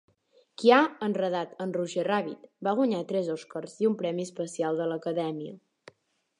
"Qui ha enredat en Roger Rabbit" va guanyar tres Oscars i un premi especial de l'Acadèmia.